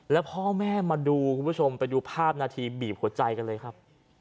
แล้วพ่อแม่มาดูคุณผู้ชมไปดูภาพนาทีบีบหัวใจกันเลยครับ